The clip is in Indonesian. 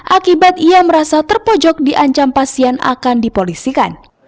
akibat ia merasa terpojok diancam pasien akan dipolisikan